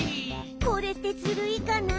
「これってずるいかな？